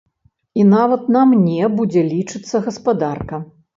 І нават на мне будзе лічыцца гаспадарка.